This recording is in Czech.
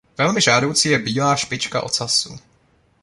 Velmi žádoucí je bílá špička ocasu.